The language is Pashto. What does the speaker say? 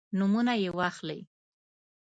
نومونه یې واخلئ.